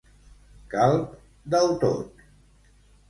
Calb del tot.